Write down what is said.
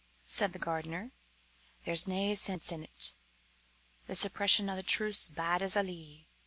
said the gardener, "there's nae sense in't. The suppression o' the truth's bad as a lee.